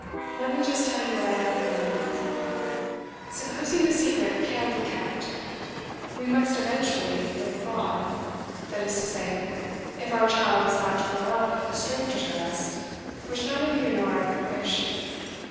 'Let me just tell you what I had in mind, Nancy. Supposing the secret can be kept, we must eventually live abroad, that is to say, if our child is not to grow up a stranger to us, which neither you nor I could wish.